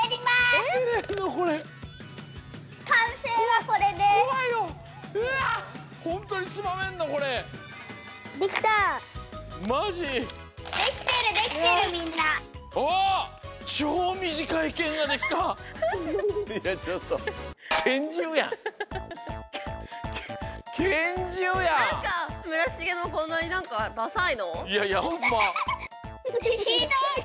ひどい。